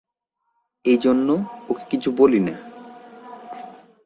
এইজন্য ওকে কিছু বলিনা।